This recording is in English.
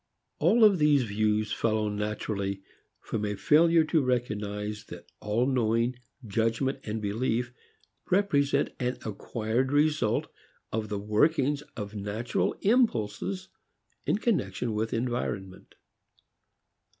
All of these views follow naturally from a failure to recognize that all knowing, judgment, belief represent an acquired result of the workings of natural impulses in connection with environment.